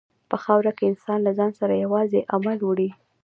په خاوره کې انسان له ځان سره یوازې عمل وړي.